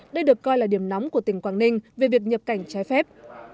đây được coi là điểm nóng của tỉnh quảng ninh về việc nhập cảnh trái phép